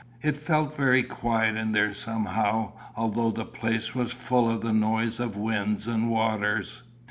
It felt very quiet in there somehow, although the place was full of the noise of winds and waters.